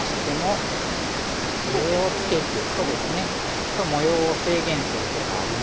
ちょっと模様を制限する手がありまして。